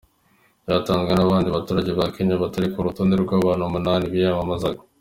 Byatanzwe n’abandi baturage ba Kenya batari no ku rutonde rw’abantu umunani biyamamazaga !